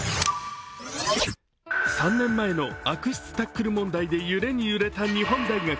３年前の悪質タックル問題で揺れに揺れた日本大学。